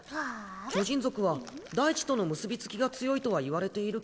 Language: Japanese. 巨人族は大地との結び付きが強いとは言われているけど。